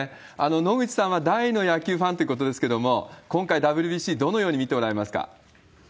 野口さんは大の野球ファンってことですけれども、今回、ＷＢＣ、どのように見ておられますか？